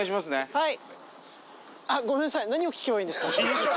はい！